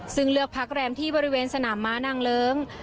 ซึ่งเลือกพักแรมที่บริเวณสนามม้านางเลิ้ง